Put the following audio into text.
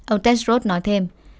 ông tedros nói thêm